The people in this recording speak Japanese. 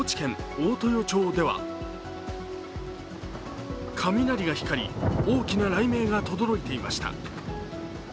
大豊町では雷が光り、大きな雷鳴がとどろいていました。